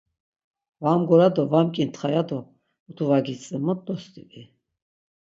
Va mgora do va mǩitxa yado mutu va gitzvi, mot dostibi?